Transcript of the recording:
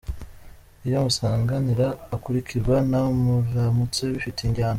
Iyo Musanganire akurikirwa na Muramutse bifite injyana.